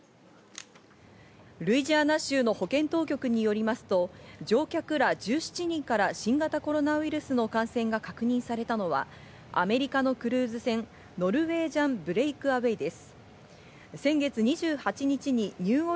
ルイジアナ州の保健当局によりますと、乗客ら１７人から新型コロナウイルスの感染が確認されたのはアメリカのクルーズ船、ノルウェージャン・ブレイクアウェイです。